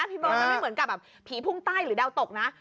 พี่เบิร์ตมันไม่เหมือนกับแบบผีพุ่งใต้หรือดาวตกนะ